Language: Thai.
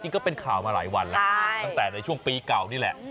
ก็เป็นข่าวมาหลายวันแล้วตั้งแต่ในช่วงปีเก่านี่แหละ